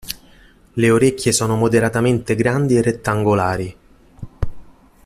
Le orecchie sono moderatamente grandi e rettangolari.